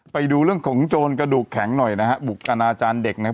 ไปดูเรื่องของโจรกระดูกแข็งหน่อยนะฮะบุกอนาจารย์เด็กนะครับ